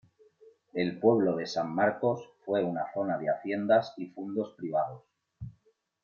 El pueblo de San Marcos fue una zona de haciendas y fundos privados.